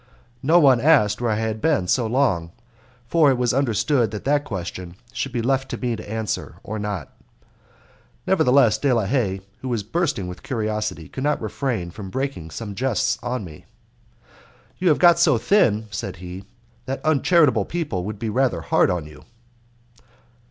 No one asked where I had been so long, for it was understood that that question should be left to me to answer or not. Nevertheless, De la Haye, who was bursting with curiosity, could not refrain from breaking some jests on me. "You have got so thin," said he, "that uncharitable people will be rather hard on you."